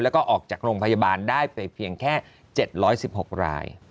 แล้วก็ออกจากโรงพยาบาลได้ไปเพียงแค่๗๑๖ราย